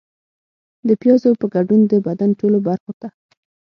د پیازو په ګډون د بدن ټولو برخو ته